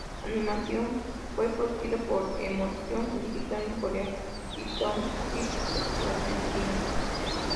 Animación fue producido por eMotion Digital en Corea y Toon City en las Filipinas.